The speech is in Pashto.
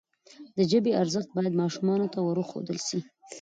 د ژبي ارزښت باید ماشومانو ته وروښودل سي.